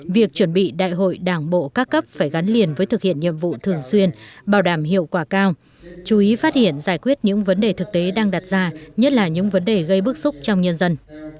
việc chuẩn bị đại hội đảng bộ các cấp phải gắn liền với thực hiện nhiệm vụ thường xuyên bảo đảm hiệu quả cao chú ý phát hiện giải quyết những vấn đề thực tế đang đặt ra nhất là những vấn đề gây bức xúc trong nhân dân